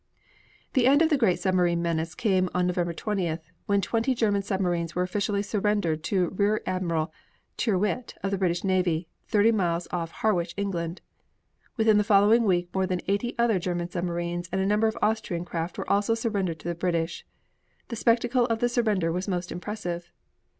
The end of the great submarine menace came on November 20th, when twenty German submarines were officially surrendered to Rear Admiral Tyrwhitt of the British Navy, thirty miles off Harwich, England. Within the following week more than eighty other German submarines and a number of Austrian craft were also surrendered to the British. The spectacle of the surrender was most impressive.